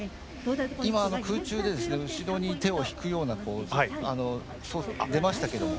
今、空中で後ろに手を引くようなポーズ、出ましたけども。